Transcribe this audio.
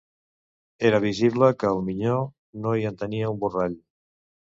Era visible que el minyó no hi entenia un borrall